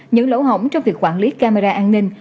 những lỗ hỏng trong việc quản lý camera an ninh